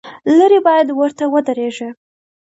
لرې باید ورته ودرېږې.